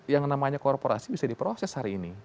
yang namanya korporasi bisa diproses hari ini